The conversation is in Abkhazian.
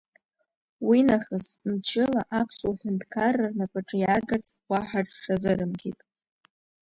Уи нахыс, мчыла, Аԥсуа Ҳәынҭқарра рнапаҿы иааргарц уаҳа рҽазырымкит.